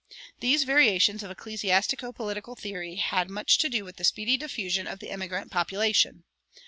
These variations of ecclesiastico political theory had much to do with the speedy diffusion of the immigrant population.